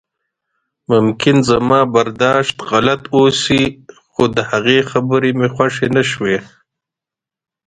ممکن زما برداشت غلط اوسي خو د هغې خبرې مې خوښې نشوې.